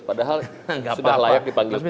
padahal sudah layak dipanggil